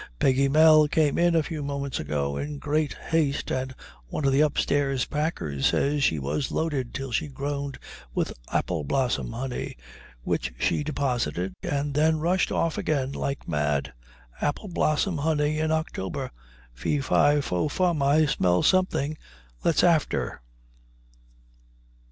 Peggy Mel came in a few moments ago in great haste, and one of the upstairs packers says she was loaded till she groaned with apple blossom honey, which she deposited, and then rushed off again like mad. Apple blossom honey in October! Fee, fi, fo, fum! I smell something! Let's after."